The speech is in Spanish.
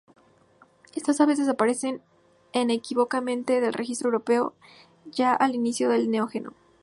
Estas aves desaparecen inequívocamente del registro europeo ya al inicio del Neógeno.